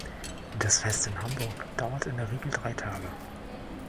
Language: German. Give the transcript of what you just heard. Das Fest in Hamburg dauert in der Regel drei Tage.